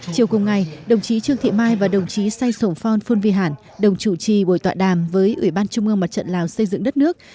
chiều cùng ngày đồng chí trương thị mai và đồng chí sai sổn phon phon vy hẳn đồng chủ trì buổi tọa đàm với ủy ban trung ương mặt trận lào xây dựng đất nước